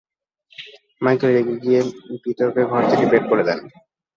Michael রেগে গিয়ে পিতরকে ঘর থেকে বের করে দেন।